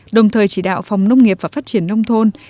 đồng thời chỉ đạo phòng nông nghiệp và phát triển nông thôn